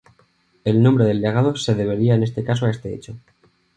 El nombre del lago se debería en este caso a este hecho.